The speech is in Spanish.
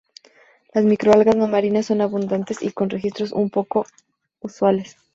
Las microalgas no marinas son abundantes y con registros poco usuales.